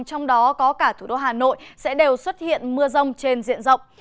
trong đó có cả thủ đô hà nội sẽ đều xuất hiện mưa rông trên diện rộng